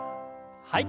はい。